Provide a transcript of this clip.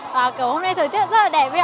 và kiểu hôm nay thời tiết rất là đẹp